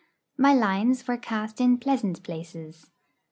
My lines were cast in pleasant places.